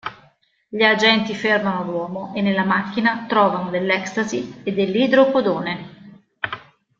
Gli agenti fermano l'uomo e nella macchina trovano dell'ecstasy e dell'idrocodone.